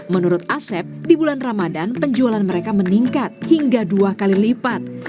menurut asep di bulan ramadan penjualan mereka meningkat hingga dua kali lipat